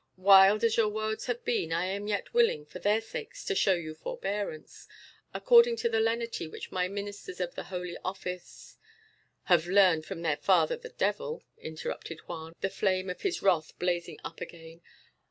"Wild as your words have been, I am yet willing, for their sakes, to show you forbearance. According to the lenity which ministers of the Holy Office " "Have learned from their father the devil," interrupted Juan, the flame of his wrath blazing up again.